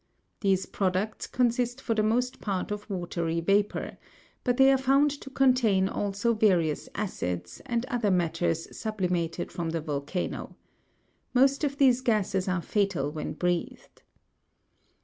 These products consist for the most part of watery vapour ; but they are found to contain also various acids, and other matters sublimated from the volcano. Most of these gases are fatal when breathed.